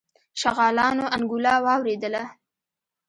شغالانو انګولا واورېدله.